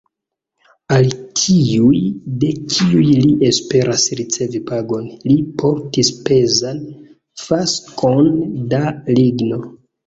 Al tiuj, de kiuj li esperas ricevi pagon, li portis pezan faskon da ligno.